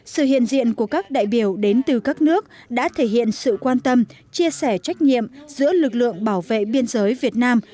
sự hiện diện của các đại biểu đến từ các nước đã thể hiện sự quan tâm chia sẻ trách nhiệm giữa lực lượng bảo vệ biên giới việt nam